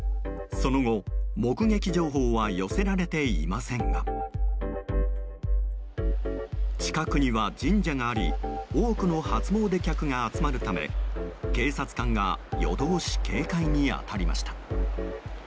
その後、目撃情報は寄せられていませんが近くには神社があり多くの初詣客が集まるため警察官が夜通し警戒に当たりました。